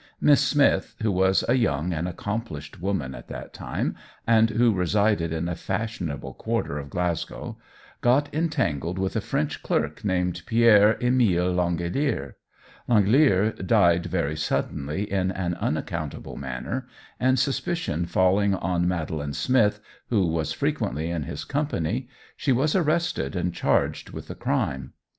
Miss Smith, who was a young and accomplished woman at that time, and who resided in a fashionable quarter of Glasgow, got entangled with a French clerk named Pierre Emile L'Angelier. L'Angelier died very suddenly in an unaccountable manner, and suspicion falling on Madeline Smith, who was frequently in his company, she was arrested and charged with the crime.